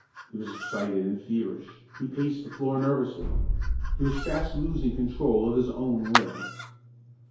He was excited and feverish; he paced the floor nervously; he was fast losing control of his own will.